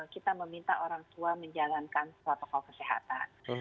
kita meminta orang tua menjalankan protokol kesehatan